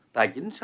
tài chính sáng tạo